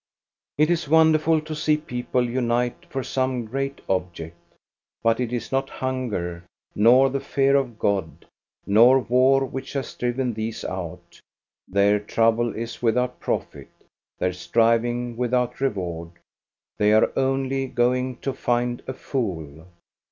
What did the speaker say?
It is wonderful to see people unite for some great object. But it is not hunger, nor the fear of God, nor war which has driven these out. Their trouble is without profit, their striving without reward ; they are only going to find a fool.